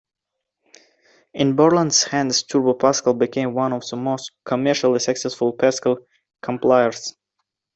In Borland's hands, Turbo Pascal became one of the most commercially successful Pascal compilers.